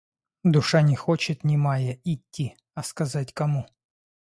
Душа не хочет немая идти, а сказать кому?